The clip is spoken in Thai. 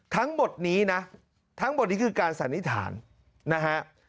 ทั้งหมดนี้นะทั้งหมดนี้คือการสันนิษฐานนะฮะ